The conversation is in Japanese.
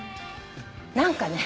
何かね